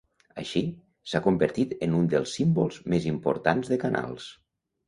Així, s'ha convertit en un dels símbols més importants de Canals.